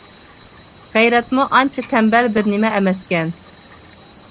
غەيرەتمۇ ئانچە تەمبەل بىر نېمە ئەمەسكەن.